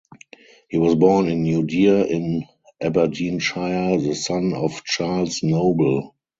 He was born in New Deer in Aberdeenshire the son of Charles Noble.